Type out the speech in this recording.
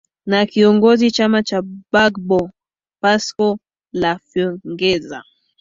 na kiongozi chama cha bagbo pascal lafwengeza